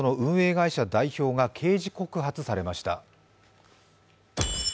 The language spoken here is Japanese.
会社代表が刑事告発されました。